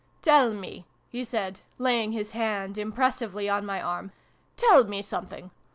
" Tell me," he said, laying his hand impressively on my arm, " tell me something.